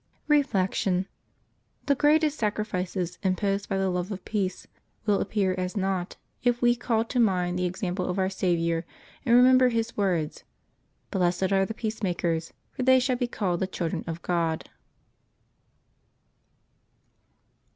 Reflection. — The greatest sacrifices imposed by the love of peace will appear as naught if we call to mind the exam ple of Our Saviour, and remember His words, " Blessed are the peacemakers, for they shall be called the children of God.